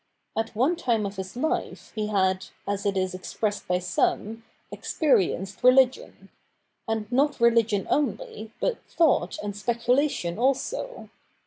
At one time of his life he had, as it is expressed by some, experienced religion ; and not religion only, but thought and speculation also.